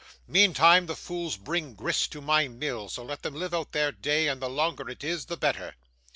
Meantime the fools bring grist to my mill, so let them live out their day, and the longer it is, the better.